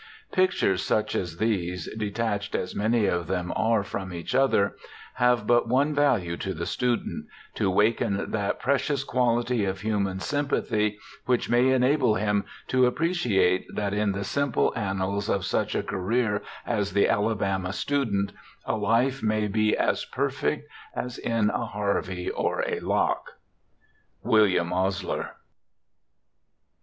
Pictures such as these, de tached as many of them are from each other, have but one value to the student— to waken that precious quality of human sympathy which may enable him to appreciate that in the simple annals of such a career as the 'Alabama Student' a life may be as perfect as in a Harvey or a Locke. WILLIAM OSLER.